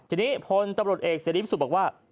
อันนี้พลเอกสื่อทรีย์พิสูทร์บอกว่า